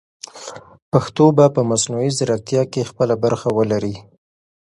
پښتو به په مصنوعي ځیرکتیا کې خپله برخه ولري.